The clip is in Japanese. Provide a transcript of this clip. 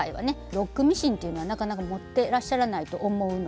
ロックミシンっていうのはなかなか持ってらっしゃらないと思うので。